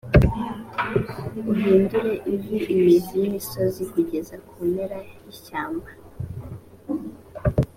uhindure ivu imizi y’imisozi kugeza ku mpera y’ishyamba.